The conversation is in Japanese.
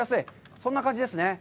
そんな感じですね。